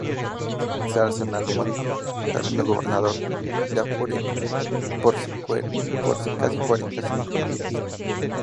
Se alza en armas, siendo gobernador de Apure por casi cuarenta y cinco días.